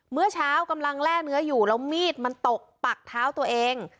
เมื่อเช้ากำลังแร่เนื้ออยู่แล้วมีดมันตกปักเท้าตัวเอง